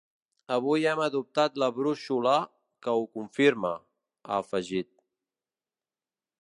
Avui hem adoptat la brúixola que ho confirma, ha afegit.